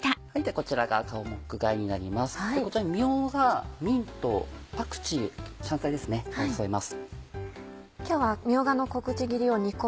こちらにみょうがミントパクチー香菜ですね添えます。